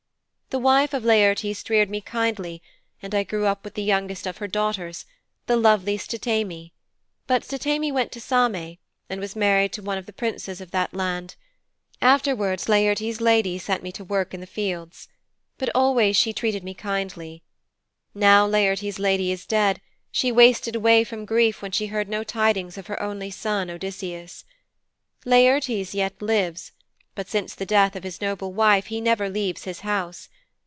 'The wife of Laertes reared me kindly, and I grew up with the youngest of her daughters, the lovely Ctimene. But Ctimene went to Same, and was married to one of the princes of that island. Afterwards Laertes' lady sent me to work in the fields. But always she treated me kindly. Now Laertes' lady is dead, she wasted away from grief when she heard no tidings of her only son, Odysseus. Laertes yet lives, but since the death of his noble wife he never leaves his house.